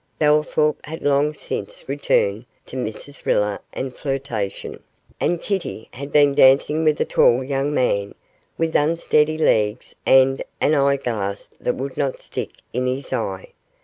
Bellthorp had long since returned to Mrs Riller and flirtation, and Kitty had been dancing with a tall young man, with unsteady legs and an eye glass that would not stick in his eye.